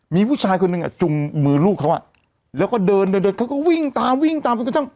มีผู้ชายคนหนึ่งจุงมือลูกเขาแล้วก็เดินเดินเขาก็วิ่งตามวิ่งตาม